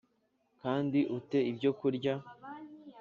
kandi ute ibyokurya